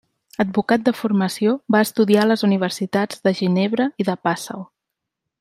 Advocat de formació, va estudiar a les universitats de Ginebra i de Passau.